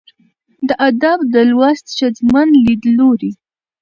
'د ادب د لوست ښځمن ليدلورى